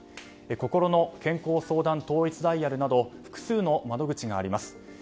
こころの健康相談統一ダイヤルなど複数の窓口があります。